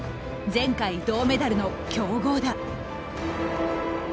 前回銅メダルの強豪だ。